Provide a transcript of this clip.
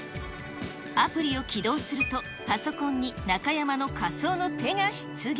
アプリを起動すると、パソコンに中山の仮想の手が出現。